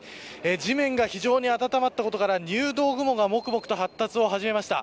地面が非常に温まったことから入道雲がもくもくと発達を始めました。